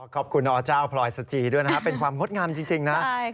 ขอบคุณอเจ้าพลอยสจีด้วยนะครับเป็นความงดงามจริงนะ